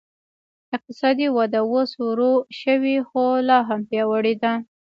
اقتصادي وده اوس ورو شوې خو لا هم پیاوړې ده.